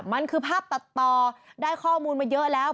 มันคือภาพตัดต่อได้ข้อมูลมาเยอะแล้ว